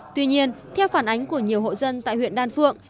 tuy nhiên theo phản ánh của nhiều hộ dân tại huyện đan phượng